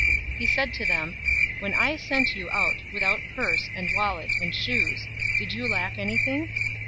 022:035 He said to them, "When I sent you out without purse, and wallet, and shoes, did you lack anything?"